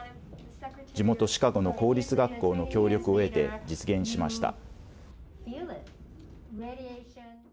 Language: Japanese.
地元シカゴの公立学校の協力を得て実現しました。